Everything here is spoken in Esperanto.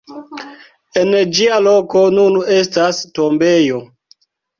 En ĝia loko nun estas tombejo.